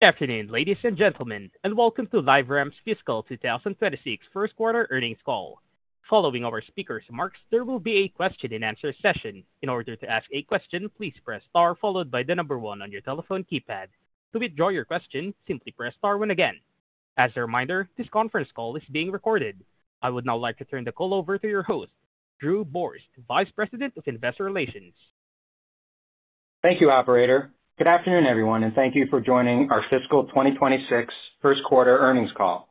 Good afternoon, ladies and gentlemen, and welcome to LiveRamp's Fiscal 2026 First Quarter Earnings Call. Following our speakers' remarks, there will be a question and answer session. In order to ask a question, please press star followed by the number one on your telephone keypad. To withdraw your question, simply press star one again. As a reminder, this conference call is being recorded. I would now like to turn the call over to your host, Drew Borst, Vice President of Investor Relations. Thank you, Operator. Good afternoon, everyone, and thank you for joining our fiscal 2026 first quarter earnings call.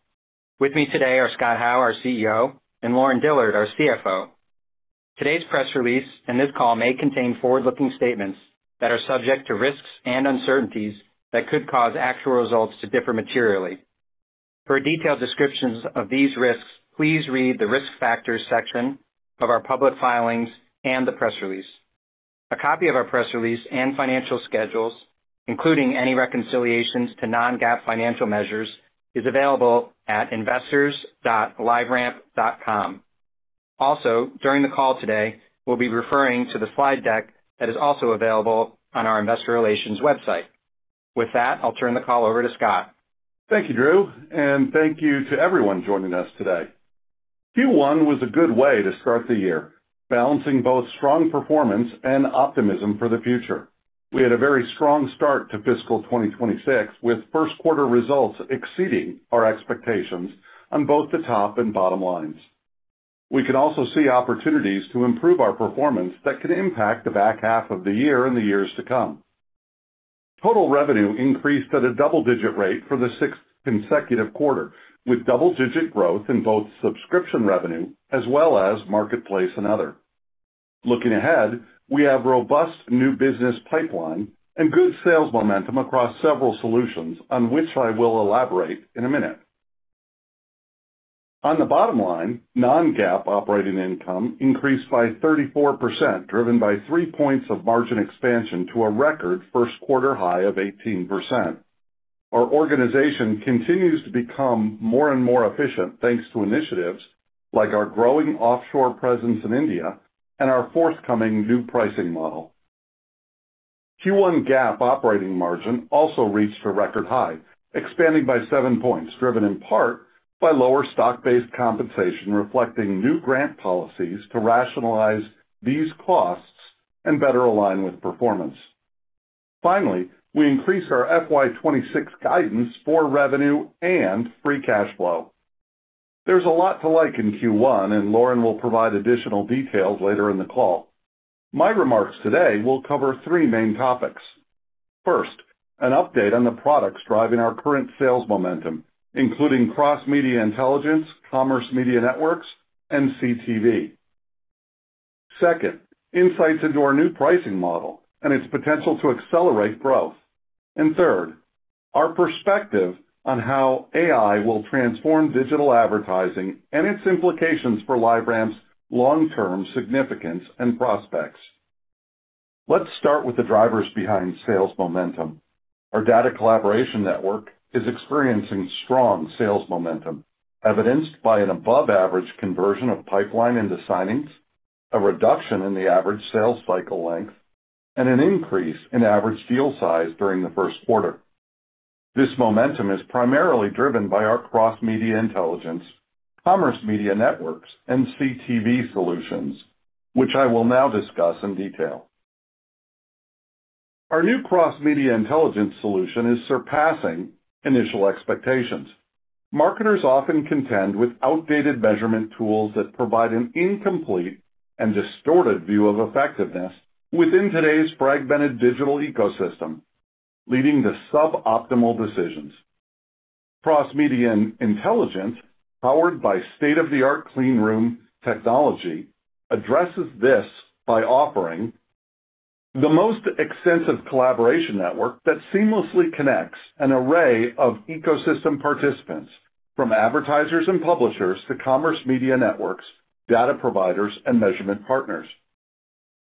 With me today are Scott Howe, our CEO, and Lauren Dillard, our CFO. Today's press release and this call may contain forward-looking statements that are subject to risks and uncertainties that could cause actual results to differ materially. For detailed descriptions of these risks, please read the Risk Factors section of our public filings and the press release. A copy of our press release and financial schedules, including any reconciliations to non-GAAP financial measures, is available at investors.liveramp.com. Also, during the call today, we'll be referring to the slide deck that is also available on our Investor Relations website. With that, I'll turn the call over to Scott. Thank you, Drew, and thank you to everyone joining us today. Q1 was a good way to start the year, balancing both strong performance and optimism for the future. We had a very strong start to fiscal 2026 with first-quarter results exceeding our expectations on both the top and bottom lines. We can also see opportunities to improve our performance that could impact the back half of the year and the years to come. Total revenue increased at a double-digit rate for the sixth consecutive quarter, with double-digit growth in both subscription revenue as well as marketplace and other. Looking ahead, we have a robust new business pipeline and good sales momentum across several solutions, on which I will elaborate in a minute. On the bottom line, non-GAAP operating income increased by 34%, driven by 3 points of margin expansion to a record first-quarter high of 18%. Our organization continues to become more and more efficient thanks to initiatives like our growing offshore presence in India and our forthcoming new pricing model. Q1 GAAP operating margin also reached a record high, expanding by 7 points, driven in part by lower stock-based compensation, reflecting new grant policies to rationalize these costs and better align with performance. Finally, we increased our FY 2026 guidance for revenue and free cash flow. There's a lot to like in Q1, and Lauren will provide additional details later in the call. My remarks today will cover three main topics. First, an update on the products driving our current sales momentum, including Cross-Media Intelligence, Commerce Media Networks, and CTV. Second, insights into our new pricing model and its potential to accelerate growth. Third, our perspective on how AI will transform digital advertising and its implications for LiveRamp's long-term significance and prospects. Let's start with the drivers behind sales momentum. Our Data Collaboration Network is experiencing strong sales momentum, evidenced by an above-average conversion of pipeline into signings, a reduction in the average sales cycle length, and an increase in average deal size during the first quarter. This momentum is primarily driven by our Cross-Media Intelligence, Commerce Media Networks, and CTV solutions, which I will now discuss in detail. Our new Cross-Media Intelligence solution is surpassing initial expectations. Marketers often contend with outdated measurement tools that provide an incomplete and distorted view of effectiveness within today's fragmented digital ecosystem, leading to suboptimal decisions. Cross-Media Intelligence, powered by state-of-the-art Clean Room Technology, addresses this by offering the most extensive collaboration network that seamlessly connects an array of ecosystem participants, from advertisers and publishers to Commerce Media Networks, data providers, and measurement partners.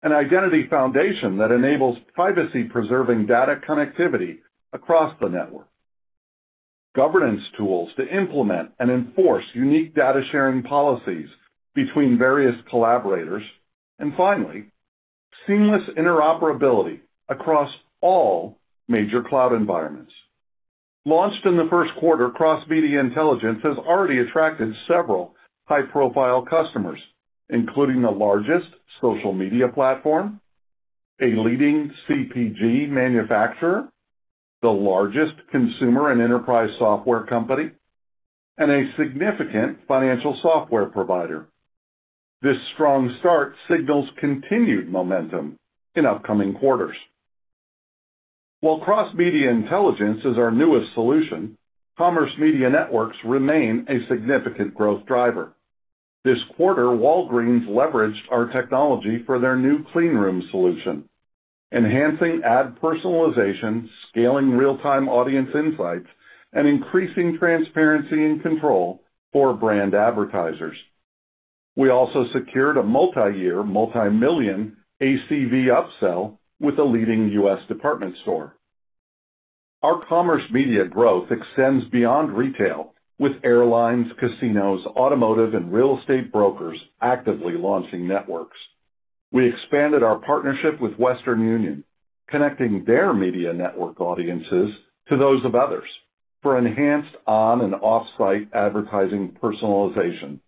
An identity foundation that enables privacy-preserving data connectivity across the network. Governance tools to implement and enforce unique data sharing policies between various collaborators. Finally, seamless interoperability across all major cloud environments. Launched in the first quarter, Cross-Media Intelligence has already attracted several high-profile customers, including the largest social media platform, a leading CPG manufacturer, the largest consumer and enterprise software company, and a significant financial software provider. This strong start signals continued momentum in upcoming quarters. While Cross-Media Intelligence is our newest solution, Commerce Media Networks remain a significant growth driver. This quarter, Walgreens leveraged our technology for their new clean room solution, enhancing ad personalization, scaling real-time audience insights, and increasing transparency and control for brand advertisers. We also secured a multi-year, multi-million ACV upsell with a leading U.S. department store. Our Commerce Media growth extends beyond retail, with airlines, casinos, automotive, and real estate brokers actively launching networks. We expanded our partnership with Western Union, connecting their media network audiences to those of others for enhanced on- and offsite advertising personalization.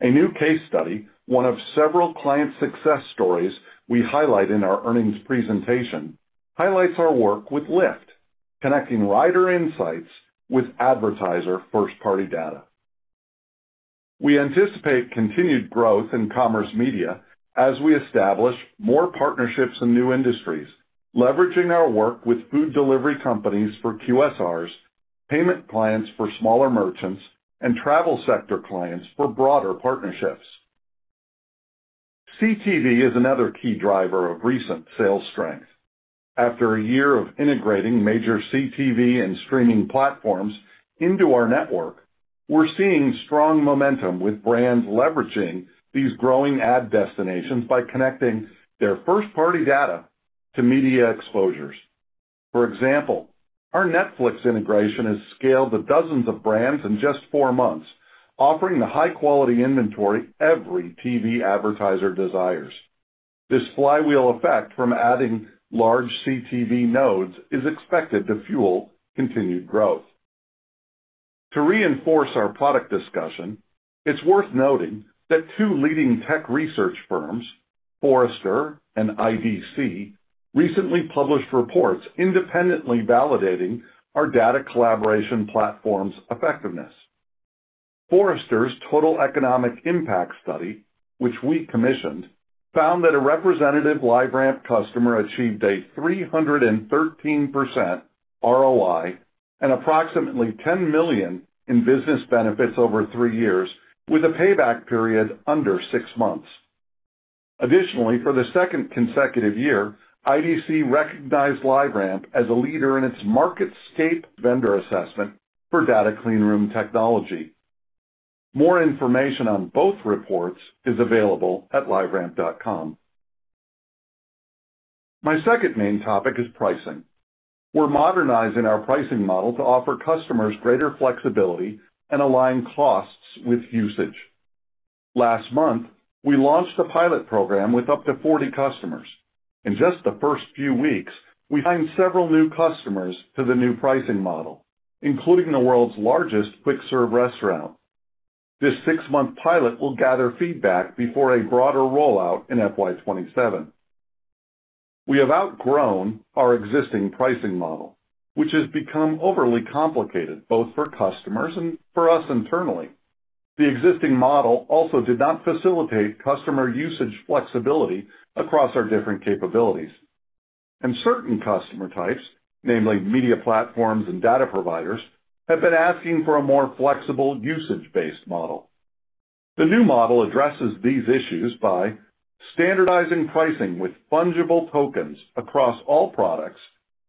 A new case study, one of several client success stories we highlight in our earnings presentation, highlights our work with Lyft, connecting rider insights with advertiser first-party data. We anticipate continued growth in Commerce Media as we establish more partnerships in new industries, leveraging our work with food delivery companies for quick-serve restaurants, payment clients for smaller merchants, and travel sector clients for broader partnerships. CTV is another key driver of recent sales strength. After a year of integrating major CTV and streaming platforms into our network, we're seeing strong momentum with brands leveraging these growing ad destinations by connecting their first-party data to media exposures. For example, our Netflix integration has scaled to dozens of brands in just four months, offering the high-quality inventory every TV advertiser desires. This flywheel effect from adding large CTV nodes is expected to fuel continued growth. To reinforce our product discussion, it's worth noting that two leading tech research firms, Forrester and IDC, recently published reports independently validating our data collaboration platform's effectiveness. Forrester's Total Economic Impact Study, which we commissioned, found that a representative LiveRamp customer achieved a 313% ROI and approximately $10 million in business benefits over three years, with a payback period under six months. Additionally, for the second consecutive year, IDC recognized LiveRamp as a leader in its MarketScape Vendor Assessment for data Clean Room Technology. More information on both reports is available at liveramp.com. My second main topic is pricing. We're modernizing our pricing model to offer customers greater flexibility and align costs with usage. Last month, we launched a pilot program with up to 40 customers. In just the first few weeks, we signed several new customers to the new pricing model, including the world's largest quick-serve restaurant. This six-month pilot will gather feedback before a broader rollout in FY 2027. We have outgrown our existing pricing model, which has become overly complicated both for customers and for us internally. The existing model also did not facilitate customer usage flexibility across our different capabilities. Certain customer types, namely media platforms and data providers, have been asking for a more flexible, usage-based model. The new model addresses these issues by standardizing pricing with Fungible Tokens across all products,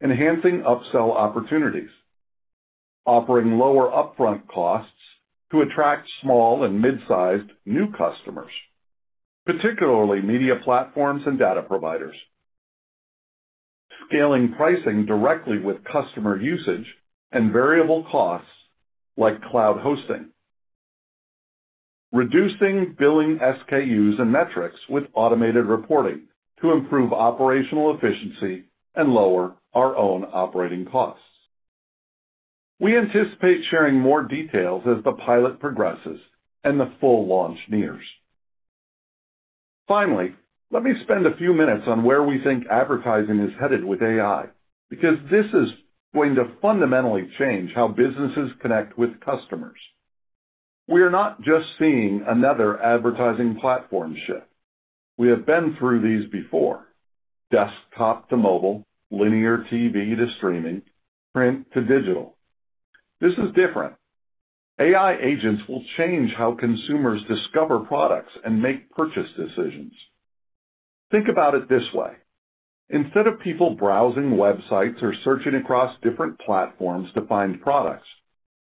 enhancing upsell opportunities, offering lower upfront costs to attract small and mid-sized new customers, particularly media platforms and data providers, scaling pricing directly with customer usage and variable costs like cloud hosting, reducing billing SKUs and metrics with automated reporting to improve operational efficiency and lower our own operating costs. We anticipate sharing more details as the pilot progresses and the full launch nears. Finally, let me spend a few minutes on where we think advertising is headed with AI, because this is going to fundamentally change how businesses connect with customers. We are not just seeing another advertising platform shift. We have been through these before. Desktop to mobile, linear TV to streaming, print to digital. This is different. AI agents will change how consumers discover products and make purchase decisions. Think about it this way. Instead of people browsing websites or searching across different platforms to find products,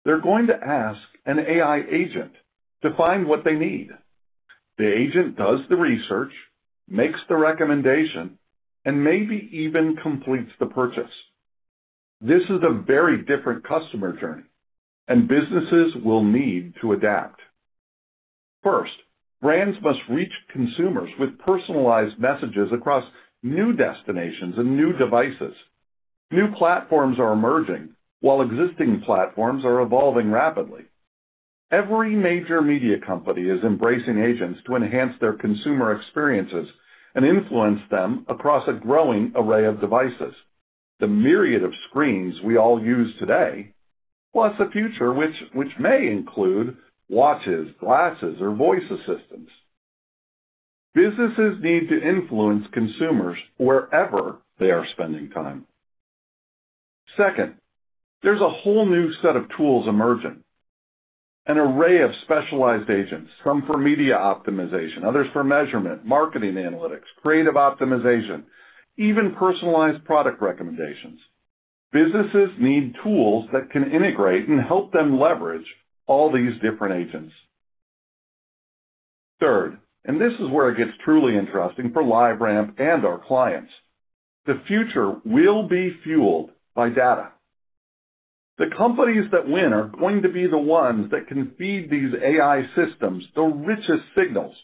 they're going to ask an AI agent to find what they need. The agent does the research, makes the recommendation, and maybe even completes the purchase. This is a very different customer journey, and businesses will need to adapt. First, brands must reach consumers with personalized messages across new destinations and new devices. New platforms are emerging while existing platforms are evolving rapidly. Every major media company is embracing agents to enhance their consumer experiences and influence them across a growing array of devices. The myriad of screens we all use today, plus the future, which may include watches, glasses, or voice assistants. Businesses need to influence consumers wherever they are spending time. Second, there's a whole new set of tools emerging. An array of specialized agents, some for media optimization, others for measurement, marketing analytics, creative optimization, even personalized product recommendations. Businesses need tools that can integrate and help them leverage all these different agents. Third, and this is where it gets truly interesting for LiveRamp and our clients, the future will be fueled by data. The companies that win are going to be the ones that can feed these AI systems the richest signals.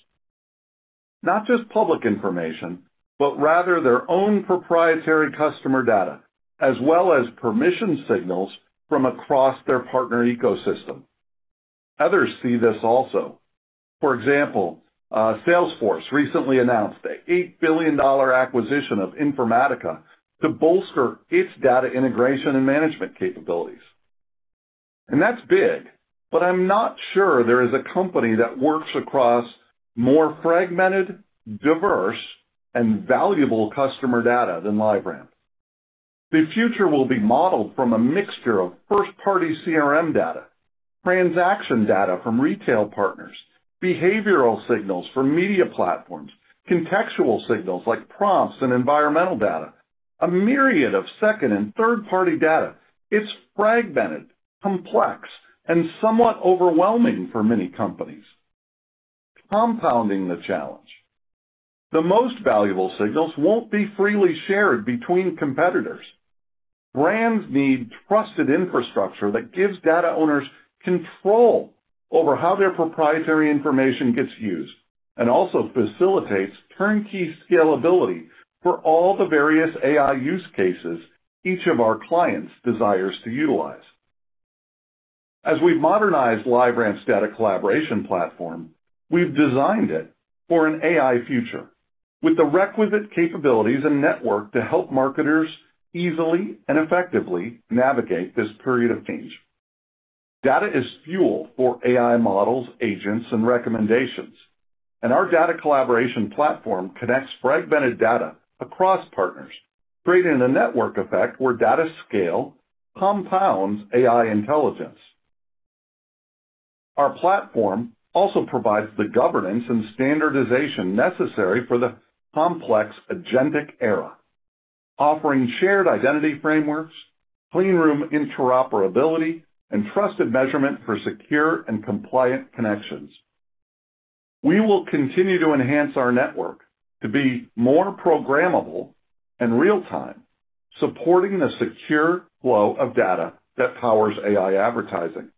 Not just public information, but rather their own proprietary customer data, as well as permission signals from across their partner ecosystem. Others see this also. For example, Salesforce recently announced an $8 billion acquisition of Informatica to bolster its data integration and management capabilities. That's big, but I'm not sure there is a company that works across more fragmented, diverse, and valuable customer data than LiveRamp. The future will be modeled from a mixture of first-party CRM data, transaction data from retail partners, behavioral signals from media platforms, contextual signals like prompts and environmental data, a myriad of second and third-party data. It's fragmented, complex, and somewhat overwhelming for many companies. Compounding the challenge, the most valuable signals won't be freely shared between competitors. Brands need trusted infrastructure that gives data owners control over how their proprietary information gets used, and also facilitates turnkey scalability for all the various AI use cases each of our clients desires to utilize. As we've modernized LiveRamp's data collaboration platform, we've designed it for an AI future with the requisite capabilities and network to help marketers easily and effectively navigate this period of change. Data is fuel for AI models, agents, and recommendations, and our data collaboration platform connects fragmented data across partners, creating a network effect where data scale compounds AI intelligence. Our platform also provides the governance and standardization necessary for the complex agentic era, offering shared identity frameworks, Clean Room interoperability, and trusted measurement for secure and compliant connections. We will continue to enhance our network to be more programmable and real-time, supporting the secure flow of data that powers AI advertising.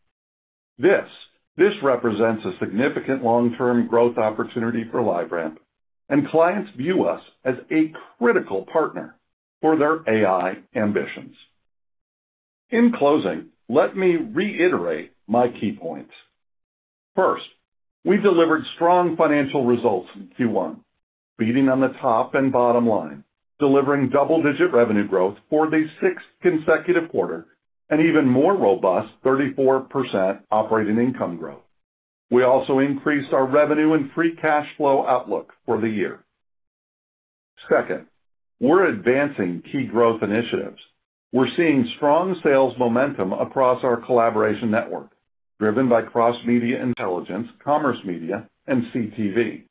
This represents a significant long-term growth opportunity for LiveRamp, and clients view us as a critical partner for their AI ambitions. In closing, let me reiterate my key points. First, we delivered strong financial results in Q1, beating on the top and bottom line, delivering double-digit revenue growth for the sixth consecutive quarter and even more robust 34% operating income growth. We also increased our revenue and free cash flow outlook for the year. Second, we're advancing key growth initiatives. We're seeing strong sales momentum across our collaboration network, driven by Cross-Media Intelligence, Commerce Media, and CTV.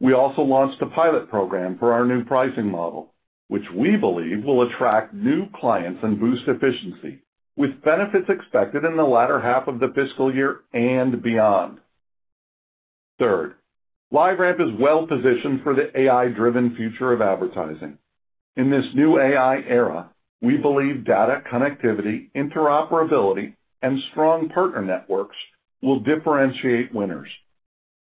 We also launched a pilot program for our new pricing model, which we believe will attract new clients and boost efficiency, with benefits expected in the latter half of the fiscal year and beyond. Third, LiveRamp is well-positioned for the AI-driven future of advertising. In this new AI era, we believe data connectivity, interoperability, and strong partner networks will differentiate winners.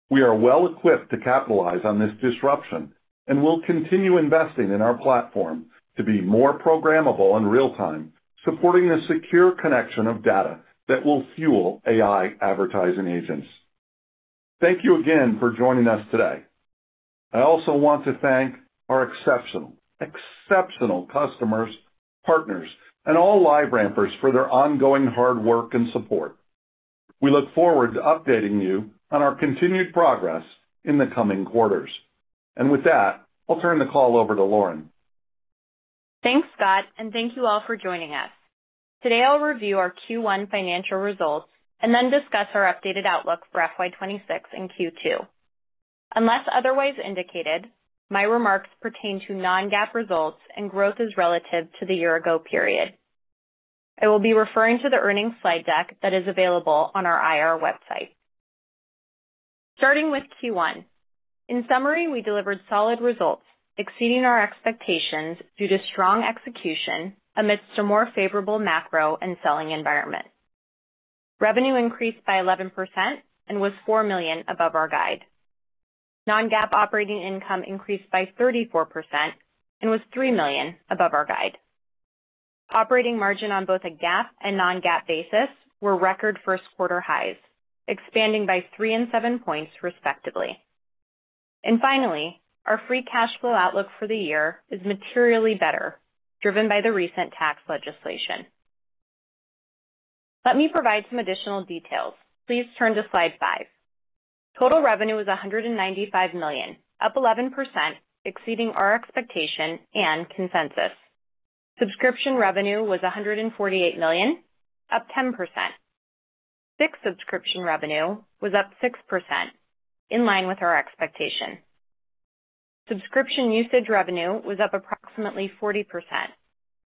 We are well-equipped to capitalize on this disruption and will continue investing in our platform to be more programmable and real-time, supporting the secure connection of data that will fuel AI Advertising Agents. Thank you again for joining us today. I also want to thank our exceptional, exceptional customers, partners, and all LiveRampers for their ongoing hard work and support. We look forward to updating you on our continued progress in the coming quarters. With that, I'll turn the call over to Lauren. Thanks, Scott, and thank you all for joining us. Today, I'll review our Q1 financial results and then discuss our updated outlook for FY 2026 and Q2. Unless otherwise indicated, my remarks pertain to non-GAAP results and growth as relative to the year-ago period. I will be referring to the earnings slide deck that is available on our IR website. Starting with Q1. In summary, we delivered solid results, exceeding our expectations due to strong execution amidst a more favorable macro and selling environment. Revenue increased by 11% and was $4 million above our guide. Non-GAAP operating income increased by 34% and was $3 million above our guide. Operating margin on both a GAAP and non-GAAP basis were record first-quarter highs, expanding by 3 and 7 points, respectively. Finally, our free cash flow outlook for the year is materially better, driven by the recent tax legislation. Let me provide some additional details. Please turn to slide five. Total revenue was $195 million, up 11%, exceeding our expectation and consensus. Subscription revenue was $148 million, up 10%. Fixed subscription revenue was up 6%, in line with our expectation. Subscription usage revenue was up approximately 40%,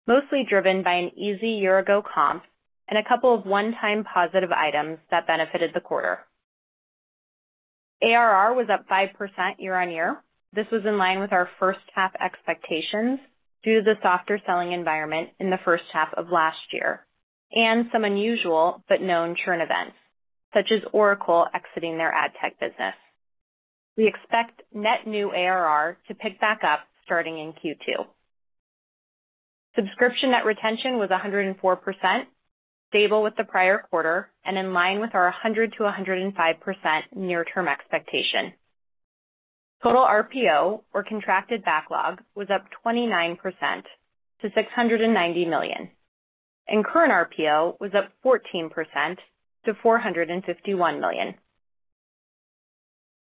mostly driven by an easy year-ago comp and a couple of one-time positive items that benefited the quarter. ARR was up 5% year-on-year. This was in line with our first half expectations due to the softer selling environment in the first half of last year and some unusual but known churn events, such as Oracle exiting their ad tech business. We expect net new ARR to pick back up starting in Q2. Subscription net retention was 104%, stable with the prior quarter and in line with our 100% to 105% near-term expectation. Total RPO, or contracted backlog, was up 29% to $690 million, and current RPO was up 14% to $451 million.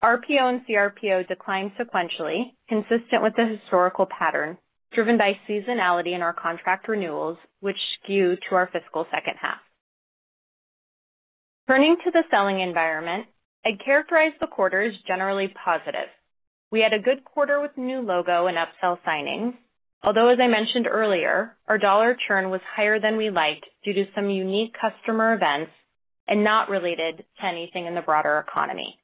RPO and CRPO declined sequentially, consistent with the historical pattern driven by seasonality in our contract renewals, which skew to our fiscal second half. Turning to the selling environment, I'd characterize the quarter as generally positive. We had a good quarter with new logo and upsell signing, although, as I mentioned earlier, our dollar churn was higher than we liked due to some unique customer events and not related to anything in the broader economy.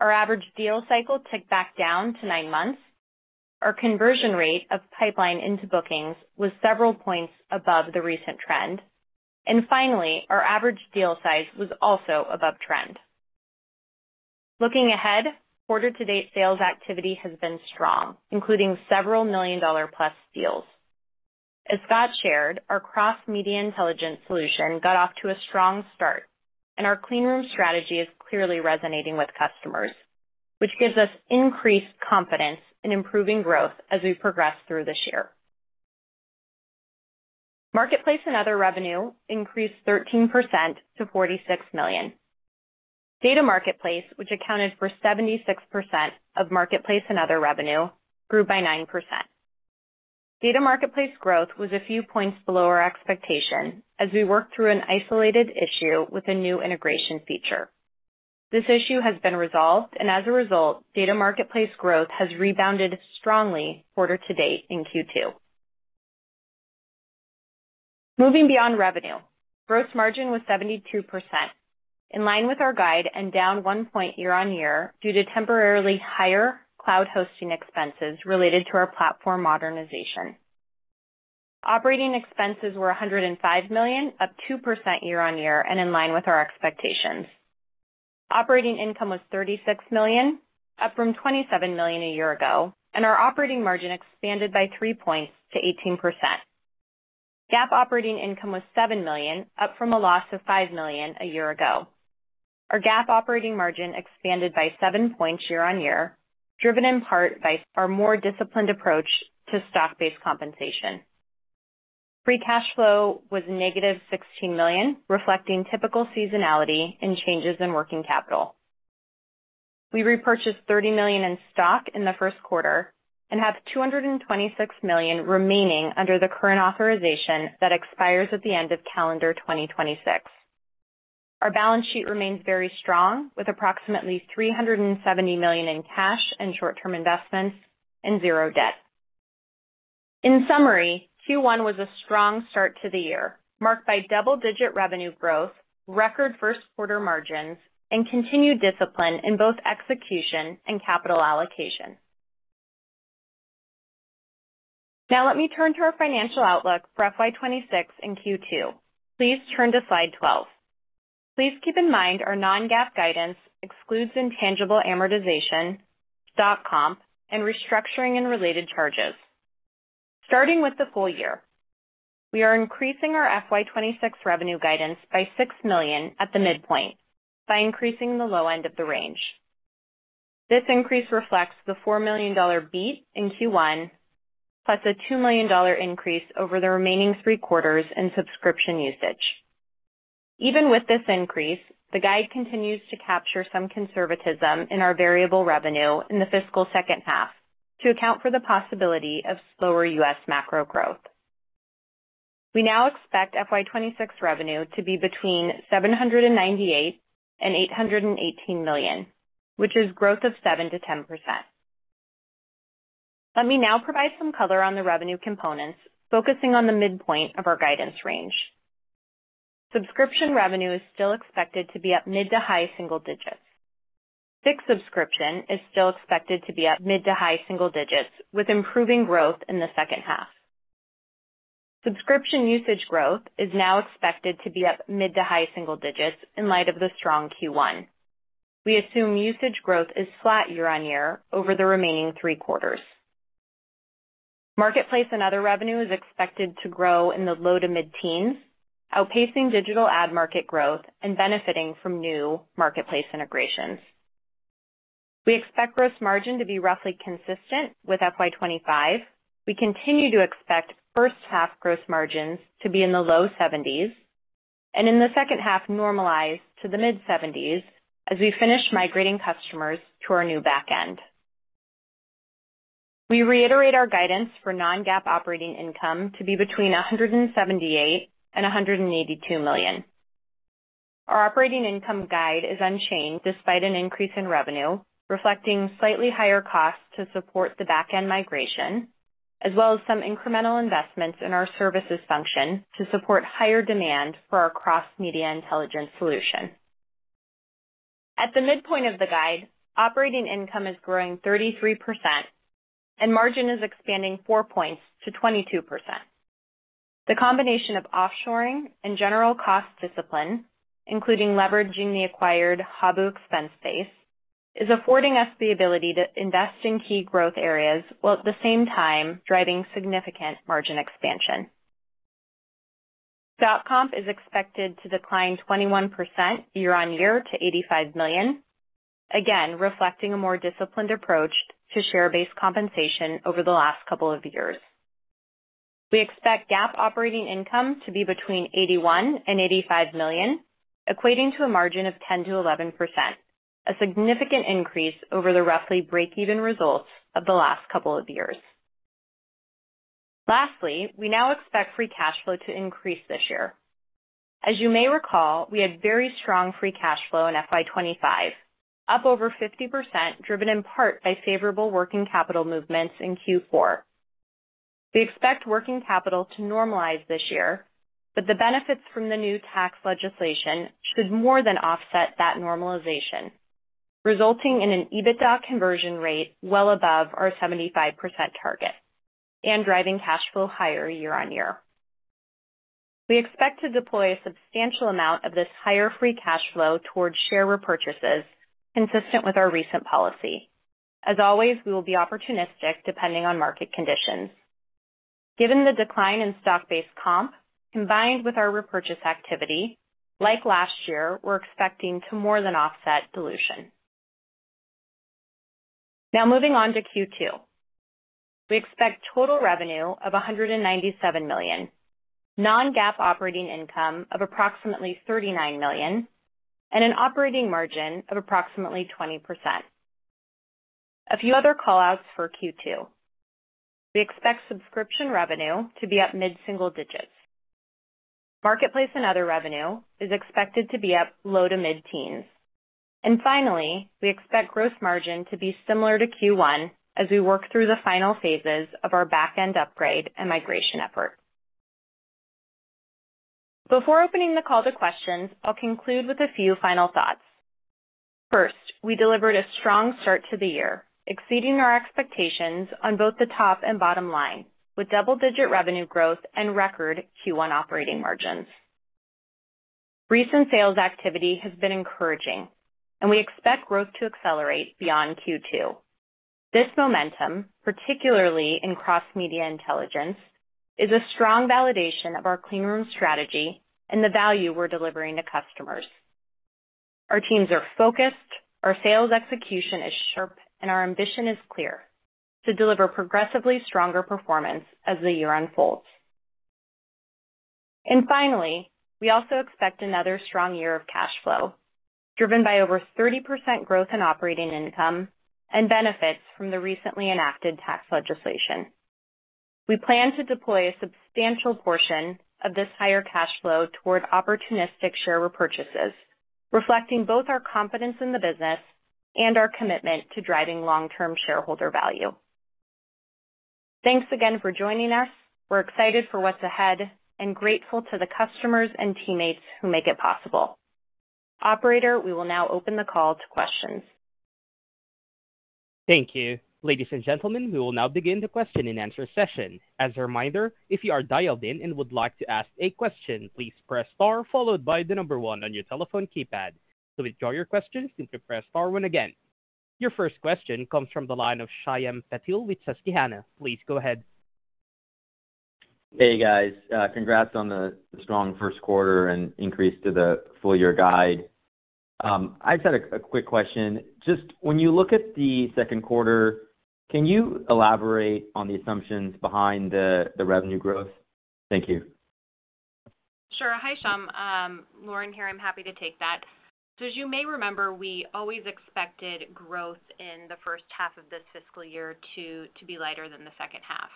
Our average deal cycle ticked back down to nine months. Our conversion rate of pipeline into bookings was several points above the recent trend. Finally, our average deal size was also above trend. Looking ahead, quarter-to-date sales activity has been strong, including several million-dollar-plus deals. As Scott shared, our Cross-Media Intelligence solution got off to a strong start, and our Clean Room strategy is clearly resonating with customers, which gives us increased confidence in improving growth as we progress through this year. Marketplace and other revenue increased 13% to $46 million. Data Marketplace, which accounted for 76% of Marketplace and other revenue, grew by 9%. Data Marketplace growth was a few points below our expectation as we worked through an isolated issue with a new integration feature. This issue has been resolved, and as a result, Data Marketplace growth has rebounded strongly quarter-to-date in Q2. Moving beyond revenue, gross margin was 72%, in line with our guide, and down 1 point year-on-year due to temporarily higher cloud hosting expenses related to our platform modernization. Operating expenses were $105 million, up 2% year-on-year and in line with our expectations. Operating income was $36 million, up from $27 million a year ago, and our operating margin expanded by 3 points to 18%. GAAP operating income was $7 million, up from a loss of $5 million a year ago. Our GAAP operating margin expanded by 7 points year-on-year, driven in part by our more disciplined approach to stock-based compensation. Free cash flow was negative $16 million, reflecting typical seasonality and changes in working capital. We repurchased $30 million in stock in the first quarter and have $226 million remaining under the current authorization that expires at the end of calendar 2026. Our balance sheet remains very strong, with approximately $370 million in cash and short-term investments and zero debt. In summary, Q1 was a strong start to the year, marked by double-digit revenue growth, record first-quarter margins, and continued discipline in both execution and capital allocation. Now, let me turn to our financial outlook for FY 2026 and Q2. Please turn to slide 12. Please keep in mind our non-GAAP guidance excludes intangible amortization, stock comp, and restructuring and related charges. Starting with the full year, we are increasing our FY 2026 revenue guidance by $6 million at the midpoint, by increasing the low end of the range. This increase reflects the $4 million beat in Q1, plus a $2 million increase over the remaining three quarters in subscription usage. Even with this increase, the guide continues to capture some conservatism in our variable revenue in the fiscal second half to account for the possibility of slower U.S. macro growth. We now expect FY 2026 revenue to be between $798 million and $818 million, which is growth of 7% to 10%. Let me now provide some color on the revenue components, focusing on the midpoint of our guidance range. Subscription revenue is still expected to be up mid to high single digits. Fixed subscription is still expected to be up mid to high single digits, with improving growth in the second half. Subscription usage growth is now expected to be up mid to high single digits in light of the strong Q1. We assume usage growth is flat year-on-year over the remaining three quarters. Marketplace and other revenue is expected to grow in the low to mid-teens, outpacing digital ad market growth and benefiting from new marketplace integrations. We expect gross margin to be roughly consistent with FY 2025. We continue to expect first half gross margins to be in the low 70s and in the second half normalized to the mid-70s as we finish migrating customers to our new backend. We reiterate our guidance for non-GAAP operating income to be between $178 million and $182 million. Our operating income guide is unchanged despite an increase in revenue, reflecting slightly higher costs to support the backend migration, as well as some incremental investments in our services function to support higher demand for our Cross-Media Intelligence solution. At the midpoint of the guide, operating income is growing 33%, and margin is expanding 4 points to 22%. The combination of offshoring and general cost discipline, including leveraging the acquired Habu expense base, is affording us the ability to invest in key growth areas while at the same time driving significant margin expansion. Stock comp is expected to decline 21% year-on-year to $85 million, again reflecting a more disciplined approach to share-based compensation over the last couple of years. We expect GAAP operating income to be between $81 million and $85 million, equating to a margin of 10% to 11%, a significant increase over the roughly break-even results of the last couple of years. Lastly, we now expect free cash flow to increase this year. As you may recall, we had very strong free cash flow in FY 2025, up over 50%, driven in part by favorable working capital movements in Q4. We expect working capital to normalize this year, but the benefits from the new tax legislation could more than offset that normalization, resulting in an EBITDA conversion rate well above our 75% target and driving cash flow higher year-on-year. We expect to deploy a substantial amount of this higher free cash flow toward share repurchases, consistent with our recent policy. As always, we will be opportunistic depending on market conditions. Given the decline in stock-based comp, combined with our repurchase activity, like last year, we're expecting to more than offset dilution. Now, moving on to Q2. We expect total revenue of $197 million, non-GAAP operating income of approximately $39 million, and an operating margin of approximately 20%. A few other callouts for Q2. We expect subscription revenue to be up mid-single digits. Marketplace and other revenue is expected to be up low to mid-teens. Finally, we expect gross margin to be similar to Q1 as we work through the final phases of our backend upgrade and migration effort. Before opening the call to questions, I'll conclude with a few final thoughts. First, we delivered a strong start to the year, exceeding our expectations on both the top and bottom line, with double-digit revenue growth and record Q1 operating margins. Recent sales activity has been encouraging, and we expect growth to accelerate beyond Q2. This momentum, particularly in Cross-Media Intelligence, is a strong validation of our Clean Room strategy and the value we're delivering to customers. Our teams are focused, our sales execution is sharp, and our ambition is clear to deliver progressively stronger performance as the year unfolds. Finally, we also expect another strong year of cash flow, driven by over 30% growth in operating income and benefits from the recently enacted tax legislation. We plan to deploy a substantial portion of this higher cash flow toward opportunistic share repurchases, reflecting both our confidence in the business and our commitment to driving long-term shareholder value. Thanks again for joining us. We're excited for what's ahead and grateful to the customers and teammates who make it possible. Operator, we will now open the call to questions. Thank you. Ladies and gentlemen, we will now begin the question and answer session. As a reminder, if you are dialed in and would like to ask a question, please press star followed by the number one on your telephone keypad. To withdraw your questions, simply press star one again. Your first question comes from the line of Shyam Patil with Susquehanna. Please go ahead. Hey, guys. Congrats on the strong first quarter and increase to the full-year guide. I just had a quick question. When you look at the second quarter, can you elaborate on the assumptions behind the revenue growth? Thank you. Sure. Hi, Shyam. Lauren here. I'm happy to take that. As you may remember, we always expected growth in the first half of this fiscal year to be lighter than the second half.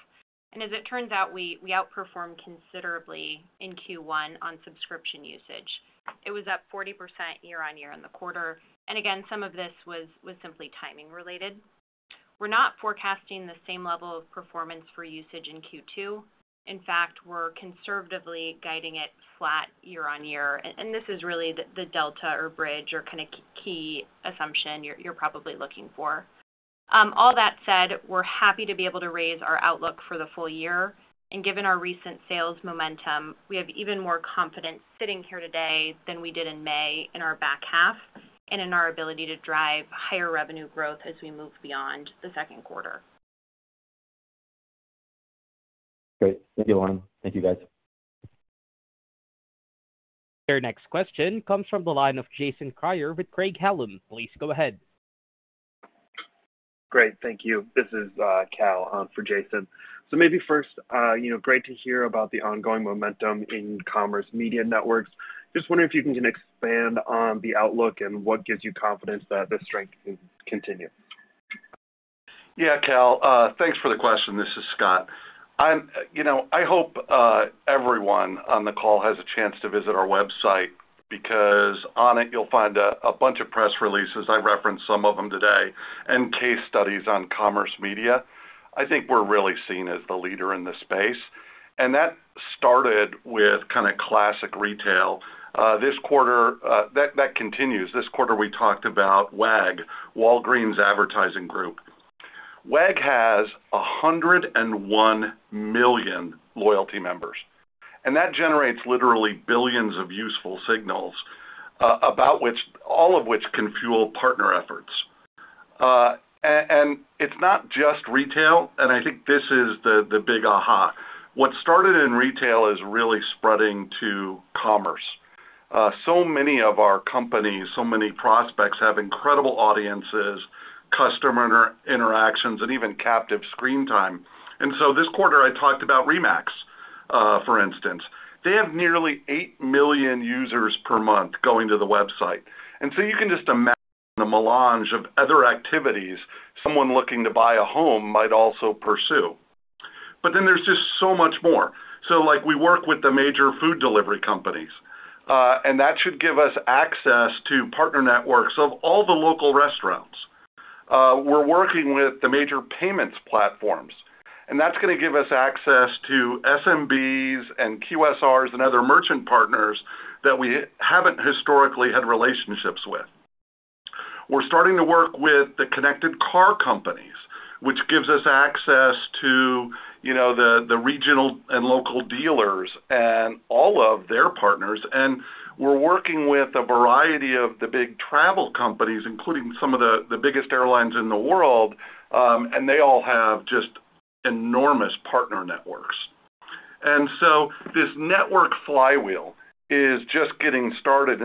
As it turns out, we outperformed considerably in Q1 on subscription usage. It was up 40% year-on-year in the quarter. Some of this was simply timing related. We're not forecasting the same level of performance for usage in Q2. In fact, we're conservatively guiding it flat year-on-year. This is really the delta or bridge or kind of key assumption you're probably looking for. All that said, we're happy to be able to raise our outlook for the full year. Given our recent sales momentum, we have even more confidence sitting here today than we did in May in our back half and in our ability to drive higher revenue growth as we move beyond the second quarter. Great. Thank you, Lauren. Thank you, guys. Their next question comes from the line of Jason Kreyer with Craig-Hallum. Please go ahead. Great. Thank you. This is Cal for Jason. Great to hear about the ongoing momentum in Commerce Media Networks. Just wondering if you can expand on the outlook and what gives you confidence that this strength can continue. Yeah, Cal, thanks for the question. This is Scott. I hope everyone on the call has a chance to visit our website because on it, you'll find a bunch of press releases. I referenced some of them today and case studies on Commerce Media. I think we're really seen as the leader in this space, and that started with kind of classic retail. This quarter, that continues. This quarter, we talked about WAG, Walgreens Advertising Group. Walgreens Advertising Group has 101 million loyalty members, and that generates literally billions of useful signals, all of which can fuel partner efforts. It's not just retail. I think this is the big aha. What started in retail is really spreading to commerce. So many of our companies, so many prospects have incredible audiences, customer interactions, and even captive screen time. This quarter, I talked about RE/MAX, for instance. They have nearly 8 million users per month going to the website, and you can just imagine the melange of other activities someone looking to buy a home might also pursue. There is just so much more. We work with the major food delivery companies, and that should give us access to partner networks of all the local restaurants. We're working with the major payments platforms, and that's going to give us access to SMBs and QSRs and other merchant partners that we haven't historically had relationships with. We're starting to work with the connected car companies, which gives us access to the regional and local dealers and all of their partners. We're working with a variety of the big travel companies, including some of the biggest airlines in the world, and they all have just enormous partner networks. This network flywheel is just getting started.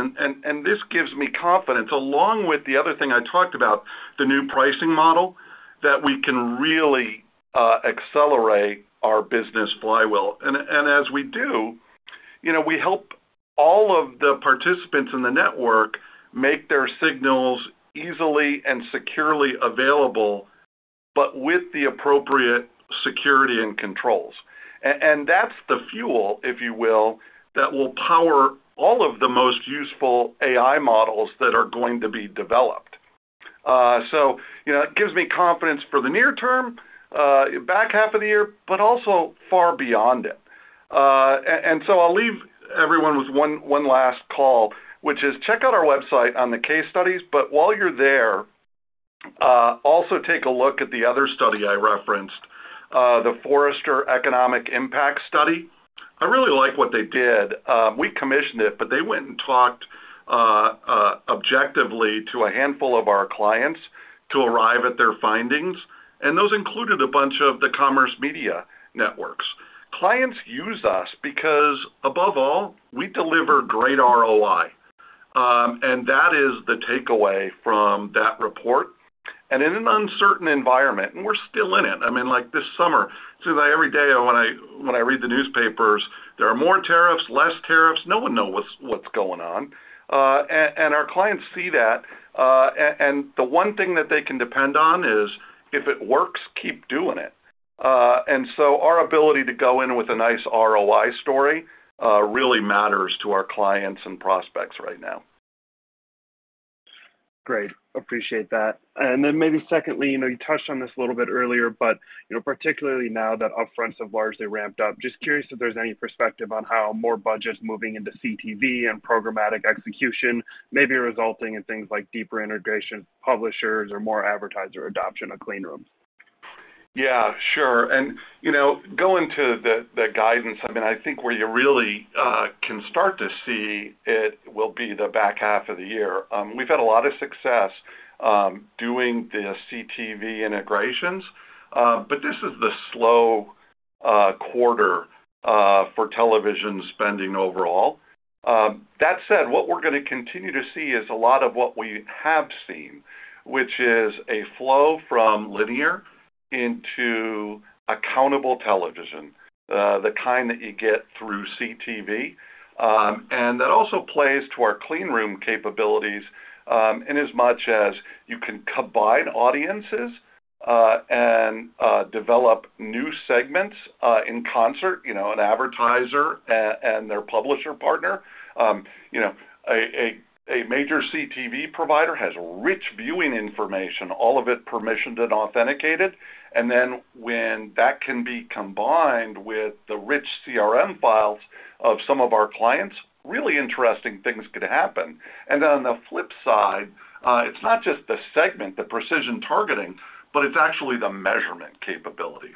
This gives me confidence, along with the other thing I talked about, the new pricing model, that we can really accelerate our business flywheel. As we do, we help all of the participants in the network make their signals easily and securely available, but with the appropriate security and controls. That's the fuel, if you will, that will power all of the most useful AI models that are going to be developed. It gives me confidence for the near term, back half of the year, but also far beyond it. I'll leave everyone with one last call, which is check out our website on the case studies. While you're there, also take a look at the other study I referenced, the Forrester Economic Impact study. I really like what they did. We commissioned it, but they went and talked objectively to a handful of our clients to arrive at their findings. Those included a bunch of the Commerce Media Networks. Clients use us because, above all, we deliver great ROI. That is the takeaway from that report. In an uncertain environment, and we're still in it, I mean, like this summer, it seems like every day when I read the newspapers, there are more tariffs, less tariffs. No one knows what's going on. Our clients see that. The one thing that they can depend on is, if it works, keep doing it. Our ability to go in with a nice ROI story really matters to our clients and prospects right now. Great. Appreciate that. Maybe secondly, you touched on this a little bit earlier, but particularly now that upfronts have largely ramped up, just curious if there's any perspective on how more budgets moving into CTV and programmatic execution may be resulting in things like deeper integration publishers or more advertiser adoption of Clean Room. Yeah, sure. Going to the guidance, I think where you really can start to see it will be the back half of the year. We've had a lot of success doing the CTV integrations. This is the slow quarter for television spending overall. That said, what we're going to continue to see is a lot of what we have seen, which is a flow from linear into accountable television, the kind that you get through CTV. That also plays to our Clean Room capabilities in as much as you can combine audiences and develop new segments in concert, you know, an advertiser and their publisher partner. A major CTV provider has rich viewing information, all of it permissioned and authenticated. When that can be combined with the rich CRM files of some of our clients, really interesting things could happen. On the flip side, it's not just the segment, the precision targeting, but it's actually the measurement capabilities.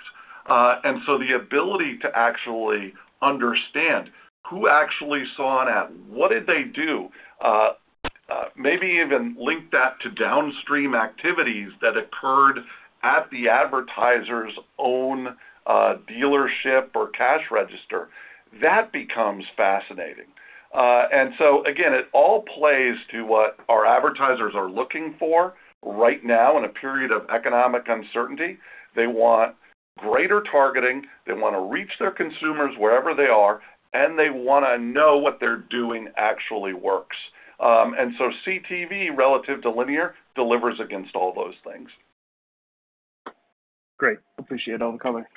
The ability to actually understand who actually saw that, what did they do, maybe even link that to downstream activities that occurred at the advertiser's own dealership or cash register, that becomes fascinating. Again, it all plays to what our advertisers are looking for right now in a period of economic uncertainty. They want greater targeting. They want to reach their consumers wherever they are. They want to know what they're doing actually works. CTV, relative to linear, delivers against all those things. Great. Appreciate all the color.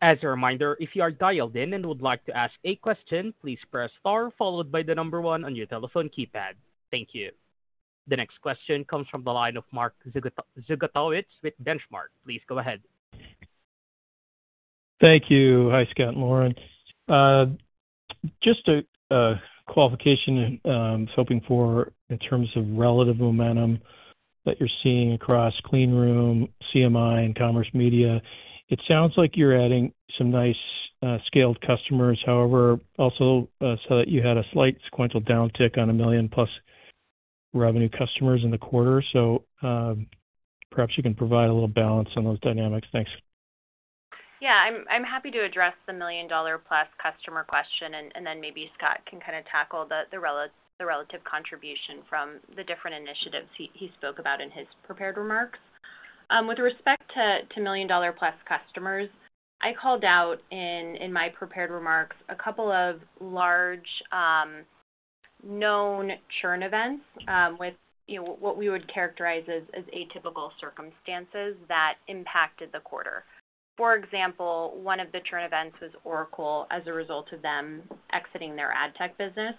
As a reminder, if you are dialed in and would like to ask a question, please press star followed by the number one on your telephone keypad. Thank you. The next question comes from the line of Mark Zgutowicz with The Benchmark. Please go ahead. Thank you. Hi, Scott and Lauren. Just a qualification I was hoping for in terms of relative momentum that you're seeing across Clean Room, CMI, and Commerce Media. It sounds like you're adding some nice scaled customers. However, also saw that you had a slight sequential downtick on $1 million-plus revenue customers in the quarter. Perhaps you can provide a little balance on those dynamics. Thanks. Yeah, I'm happy to address the $1 million-dollar-plus customer question, and then maybe Scott can kind of tackle the relative contribution from the different initiatives he spoke about in his prepared remarks. With respect to $1 million-dollar-plus customers, I called out in my prepared remarks a couple of large known churn events with what we would characterize as atypical circumstances that impacted the quarter. For example, one of the churn events was Oracle as a result of them exiting their ad tech business.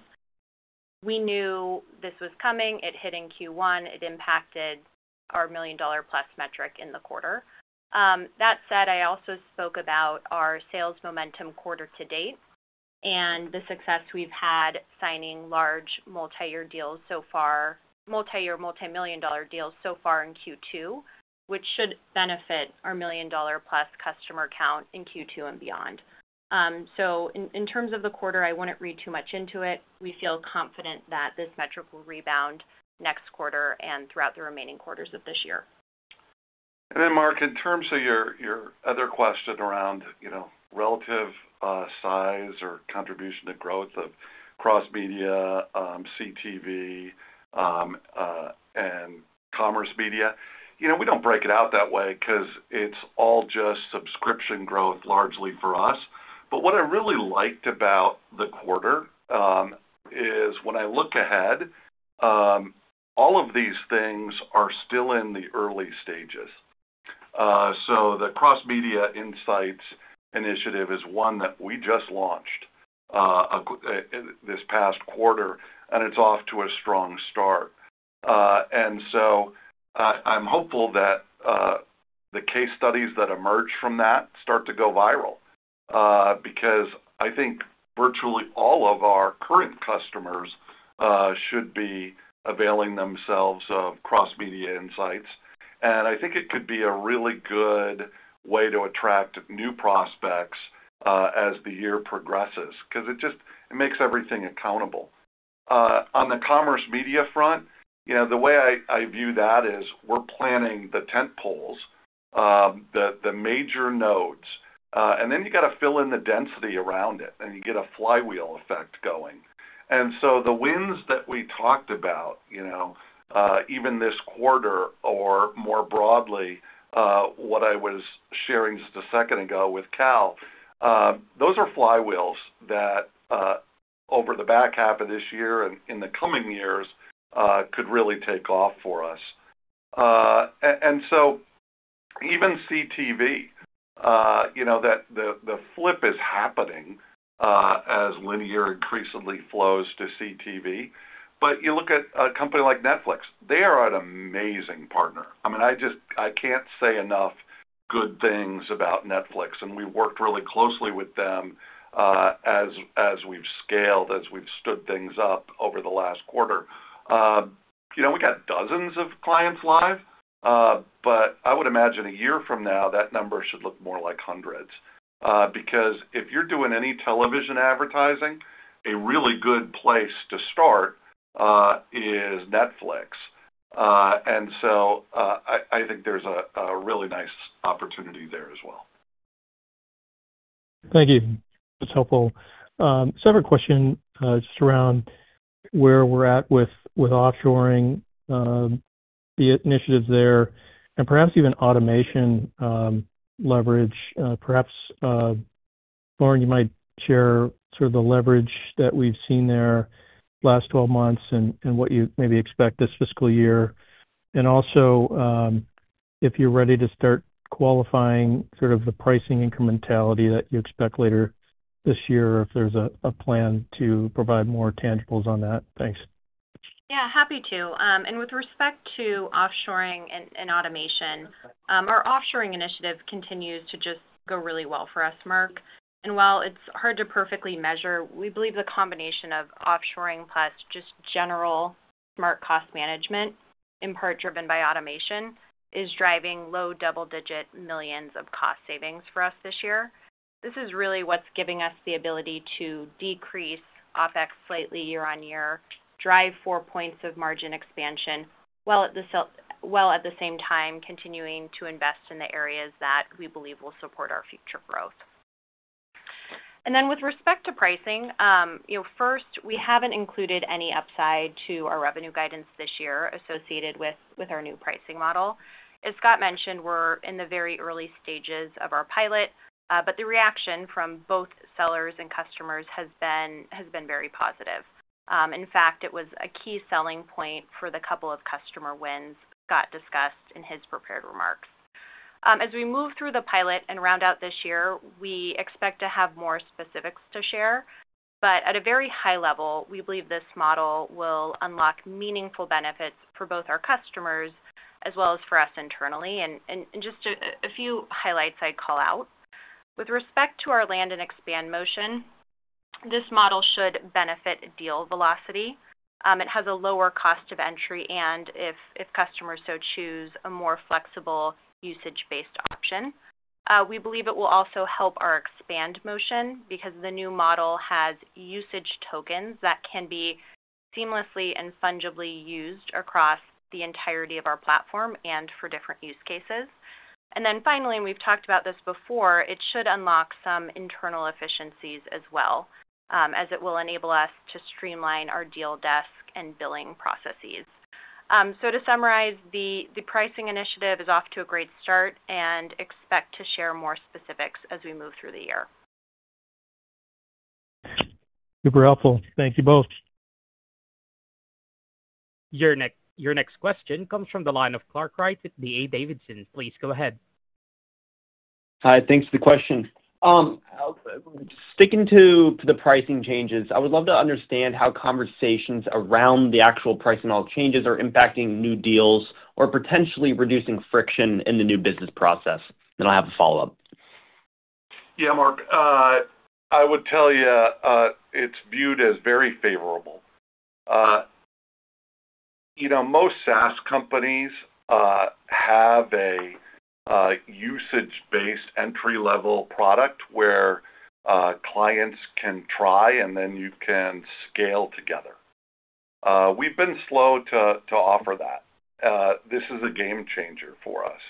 We knew this was coming. It hit in Q1. It impacted our $1 million-dollar-plus metric in the quarter. That said, I also spoke about our sales momentum quarter to date and the success we've had signing large multi-year deals so far, multi-year, multimillion-dollar deals so far in Q2, which should benefit our $1 million-dollar-plus customer count in Q2 and beyond. In terms of the quarter, I wouldn't read too much into it. We feel confident that this metric will rebound next quarter and throughout the remaining quarters of this year. Mark, in terms of your other question around, you know, relative size or contribution to growth of cross-media, CTV, and commerce media, we don't break it out that way because it's all just subscription growth largely for us. What I really liked about the quarter is when I look ahead, all of these things are still in the early stages. The cross-media insights initiative is one that we just launched this past quarter, and it's off to a strong start. I'm hopeful that the case studies that emerge from that start to go viral because I think virtually all of our current customers should be availing themselves of cross-media insights. I think it could be a really good way to attract new prospects as the year progresses because it just makes everything accountable. On the commerce media front, the way I view that is we're planning the tentpoles, the major notes, and then you got to fill in the density around it, and you get a flywheel effect going. The wins that we talked about, even this quarter or more broadly, what I was sharing just a second ago with Cal, those are flywheels that over the back half of this year and in the coming years could really take off for us. Even CTV, the flip is happening as linear increasingly flows to CTV. You look at a company like Netflix, they are an amazing partner. I just, I can't say enough good things about Netflix. We worked really closely with them as we've scaled, as we've stood things up over the last quarter. We got dozens of clients live, but I would imagine a year from now, that number should look more like hundreds because if you're doing any television advertising, a really good place to start is Netflix. I think there's a really nice opportunity there as well. Thank you. That's helpful. Several questions just around where we're at with offshoring, the initiatives there, and perhaps even automation leverage. Perhaps, Lauren, you might share sort of the leverage that we've seen there the last 12 months and what you maybe expect this fiscal year. Also, if you're ready to start qualifying sort of the pricing incrementality that you expect later this year, if there's a plan to provide more tangibles on that. Thanks. Yeah, happy to. With respect to offshoring and automation, our offshoring initiative continues to just go really well for us, Mark. While it's hard to perfectly measure, we believe the combination of offshoring plus just general smart cost management, in part driven by automation, is driving low double-digit millions of cost savings for us this year. This is really what's giving us the ability to decrease OpEx slightly year-on-year, drive 4 points of margin expansion, while at the same time continuing to invest in the areas that we believe will support our future growth. With respect to pricing, first, we haven't included any upside to our revenue guidance this year associated with our new pricing model. As Scott mentioned, we're in the very early stages of our pilot, but the reaction from both sellers and customers has been very positive. In fact, it was a key selling point for the couple of customer wins Scott discussed in his prepared remarks. As we move through the pilot and round out this year, we expect to have more specifics to share. At a very high level, we believe this model will unlock meaningful benefits for both our customers as well as for us internally. Just a few highlights I'd call out. With respect to our land and expand motion, this model should benefit deal velocity. It has a lower cost of entry, and if customers so choose a more flexible usage-based option, we believe it will also help our expand motion because the new model has usage tokens that can be seamlessly and fungibly used across the entirety of our platform and for different use cases. Finally, and we've talked about this before, it should unlock some internal efficiencies as well, as it will enable us to streamline our deal desk and billing processes. To summarize, the pricing initiative is off to a great start and expect to share more specifics as we move through the year. Super helpful. Thank you both. Your next question comes from the line of Clark Wright with D.A. Davidson. Please go ahead. Hi. Thanks for the question. Sticking to the pricing changes, I would love to understand how conversations around the actual pricing changes are impacting new deals or potentially reducing friction in the new business process. I'll have a follow-up. Yeah, Mark. I would tell you it's viewed as very favorable. Most SaaS companies have a usage-based entry-level product where clients can try and then you can scale together. We've been slow to offer that. This is a game changer for us.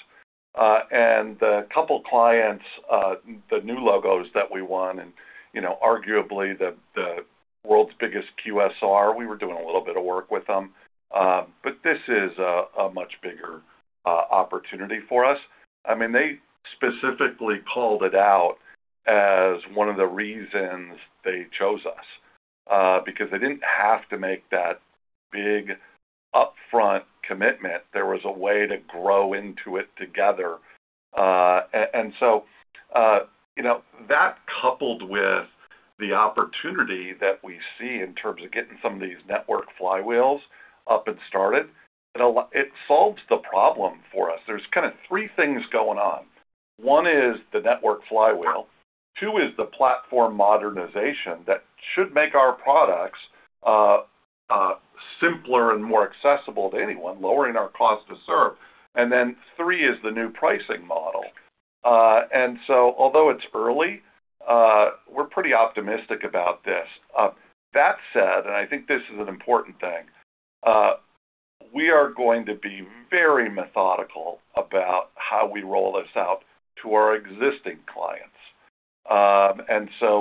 The couple clients, the new logos that we won, and arguably the world's biggest QSR, we were doing a little bit of work with them. This is a much bigger opportunity for us. They specifically called it out as one of the reasons they chose us because they didn't have to make that big upfront commitment. There was a way to grow into it together. That, coupled with the opportunity that we see in terms of getting some of these network flywheels up and started, solves the problem for us. There are kind of three things going on. One is the network flywheel. Two is the platform modernization that should make our products simpler and more accessible to anyone, lowering our cost to serve. Three is the new pricing model. Although it's early, we're pretty optimistic about this. That said, and I think this is an important thing, we are going to be very methodical about how we roll this out to our existing clients.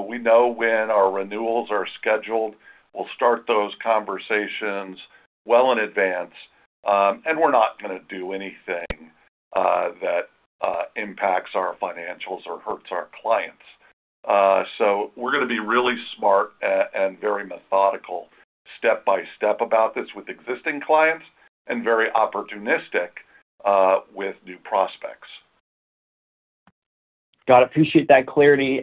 We know when our renewals are scheduled. We'll start those conversations well in advance. We're not going to do anything that impacts our financials or hurts our clients. We're going to be really smart and very methodical step by step about this with existing clients and very opportunistic with new prospects. Got it. Appreciate that clarity.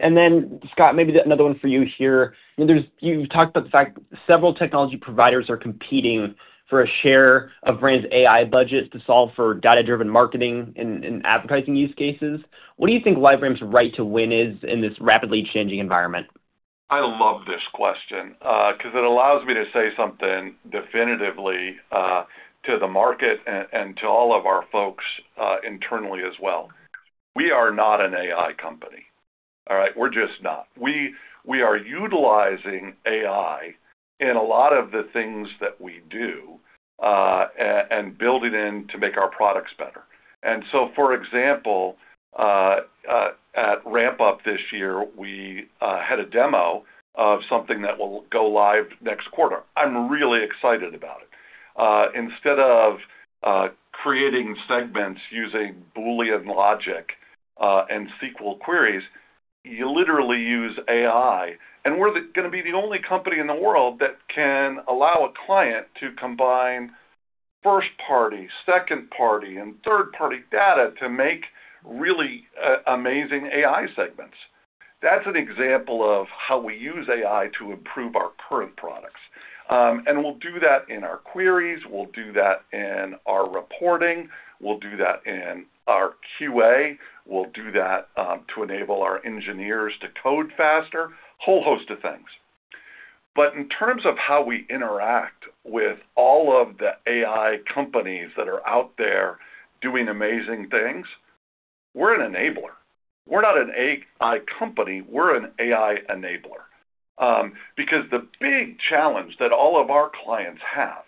Scott, maybe another one for you here. You've talked about the fact that several technology providers are competing for a share of [brands] AI budgets to solve for data-driven marketing and advertising use cases. What do you think LiveRamp's right to win is in this rapidly changing environment? I love this question because it allows me to say something definitively to the market and to all of our folks internally as well. We are not an AI company, all right? We're just not. We are utilizing AI in a lot of the things that we do and build it in to make our products better. For example, at RampUp this year, we had a demo of something that will go live next quarter. I'm really excited about it. Instead of creating segments using Boolean logic and SQL queries, you literally use AI. We're going to be the only company in the world that can allow a client to combine first-party, second-party, and third-party data to make really amazing AI segments. That's an example of how we use AI to improve our current products. We'll do that in our queries, we'll do that in our reporting, we'll do that in our QA, and we'll do that to enable our engineers to code faster, a whole host of things. In terms of how we interact with all of the AI companies that are out there doing amazing things, we're an enabler. We're not an AI company. We're an AI enabler. The big challenge that all of our clients have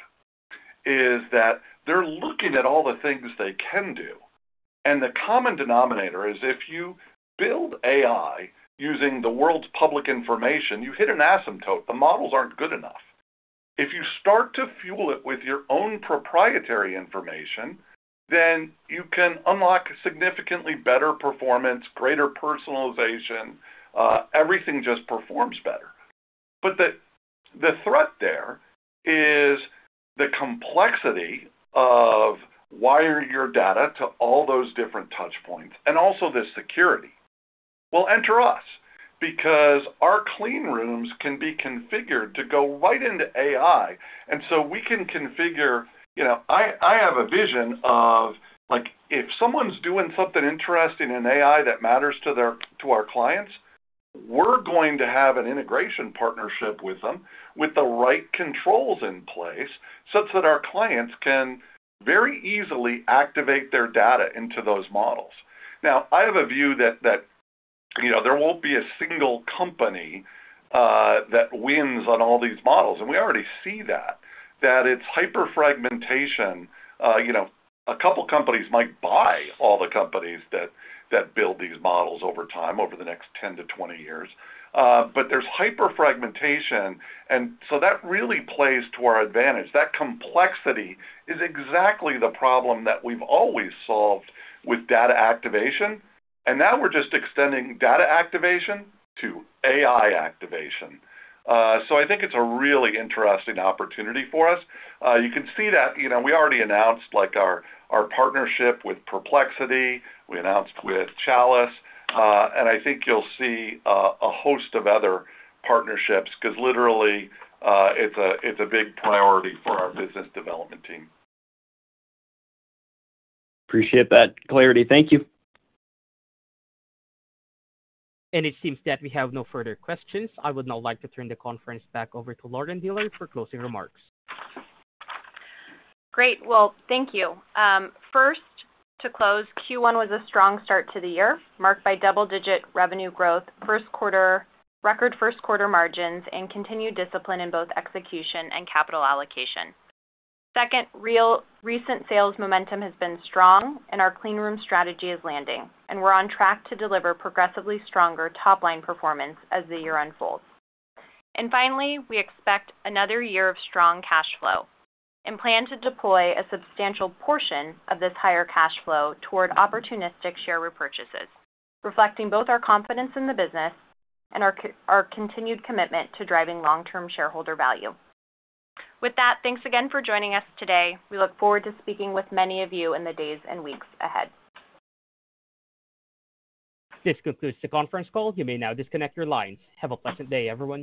is that they're looking at all the things they can do. The common denominator is if you build AI using the world's public information, you hit an asymptote. The models aren't good enough. If you start to fuel it with your own proprietary information, then you can unlock significantly better performance and greater personalization. Everything just performs better. The threat there is the complexity of wiring your data to all those different touchpoints and also the security. Enter us because our clean rooms can be configured to go right into AI. We can configure, you know, I have a vision of, like, if someone's doing something interesting in AI that matters to our clients, we're going to have an integration partnership with them with the right controls in place such that our clients can very easily activate their data into those models. I have a view that, you know, there won't be a single company that wins on all these models. We already see that it's hyper-fragmentation. A couple companies might buy all the companies that build these models over time, over the next 10 to 20 years. There's hyper-fragmentation, and that really plays to our advantage. That complexity is exactly the problem that we've always solved with data activation. Now we're just extending data activation to AI activation. I think it's a really interesting opportunity for us. You can see that we already announced our partnership with Perplexity. We announced with Chalice. I think you'll see a host of other partnerships because literally, it's a big priority for our business development team. Appreciate that clarity. Thank you. It seems that we have no further questions. I would now like to turn the conference back over to Lauren Dillard for closing remarks. Thank you. First, to close, Q1 was a strong start to the year, marked by double-digit revenue growth, record first-quarter margins, and continued discipline in both execution and capital allocation. Second, real recent sales momentum has been strong, and our Clean Room strategy is landing. We're on track to deliver progressively stronger top-line performance as the year unfolds. Finally, we expect another year of strong cash flow and plan to deploy a substantial portion of this higher cash flow toward opportunistic share repurchases, reflecting both our confidence in the business and our continued commitment to driving long-term shareholder value. With that, thanks again for joining us today. We look forward to speaking with many of you in the days and weeks ahead. This concludes the conference call. You may now disconnect your lines. Have a pleasant day, everyone.